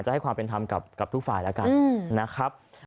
จะทำกับทุกฝ่ายแล้วกันนะครับ